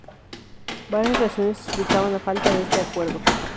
Varias razones explicaban la falta de este acuerdo.